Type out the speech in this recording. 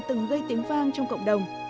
từng gây tiếng vang trong cộng đồng